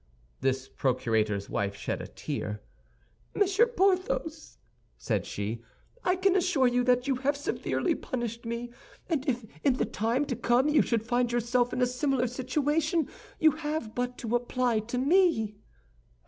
The procurator's wife shed a tear. "Monsieur Porthos," said she, "I can assure you that you have severely punished me; and if in the time to come you should find yourself in a similar situation, you have but to apply to me."